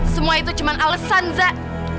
semua itu cuma alasan zah